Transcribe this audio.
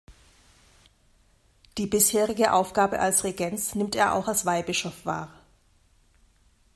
Die bisherige Aufgabe als Regens nimmt er auch als Weihbischof wahr.